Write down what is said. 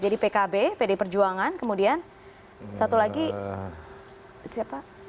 jadi pkb pd perjuangan kemudian satu lagi siapa